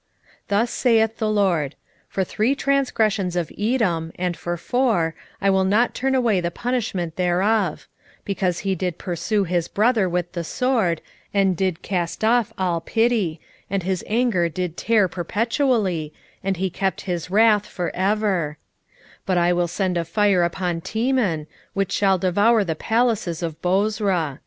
1:11 Thus saith the LORD; For three transgressions of Edom, and for four, I will not turn away the punishment thereof; because he did pursue his brother with the sword, and did cast off all pity, and his anger did tear perpetually, and he kept his wrath for ever: 1:12 But I will send a fire upon Teman, which shall devour the palaces of Bozrah.